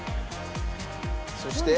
そして。